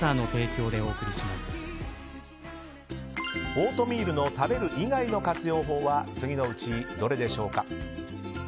オートミールの食べる以外の活用法は次のうちどれでしょう？